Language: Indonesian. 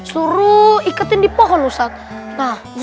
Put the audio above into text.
suruh ikutin di pohon ustadz